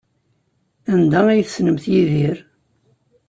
Anda ay tessnemt Yidir?